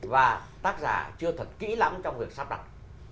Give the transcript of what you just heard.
và tác giả chưa thật kỹ lắm trong việc sắp đặt